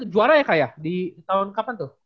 juara ya kak ya di tahun kapan tuh